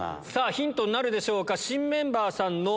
ヒントになるでしょうか。